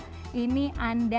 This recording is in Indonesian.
jika terlalu banyak